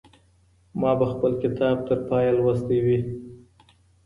ما به خپل کتاب تر پایه لوستی وي.